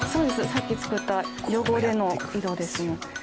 さっき作った汚れの色ですね。